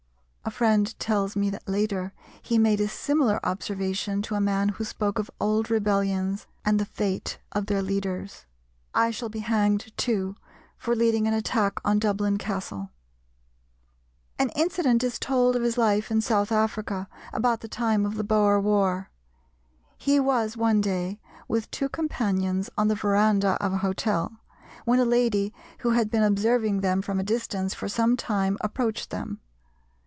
A friend tells me that later he made a similar observation to a man who spoke of old rebellions and the fate of their leaders, "I shall be hanged, too, for leading an attack on Dublin Castle." An incident is told of his life in South Africa, about the time of the Boer War. He was one day, with two companions on the verandah of a hotel, when a lady who had been observing them from a distance for some time approached them.